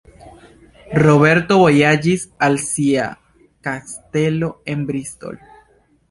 Roberto vojaĝis al sia kastelo en Bristol.